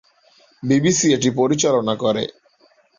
BBC এটি পরিচালনা করে।